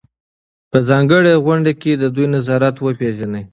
په ځانګړو غونډو کې د دوی نظریات وپېژنئ.